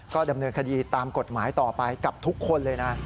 ก็ดำเนินคดีตามกฎหมายต่อไปกับทุกคนเลยนะ